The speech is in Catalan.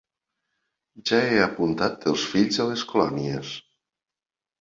Ja he apuntat els fills a les colònies.